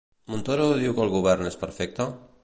Montoro diu que el govern és perfecte?